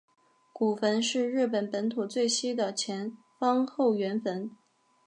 古坟是日本本土最西的前方后圆坟。